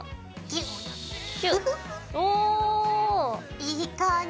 いい感じ。